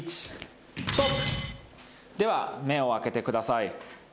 では目を開けてください。